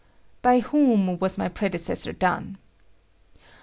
"By whom was my predecessor done?"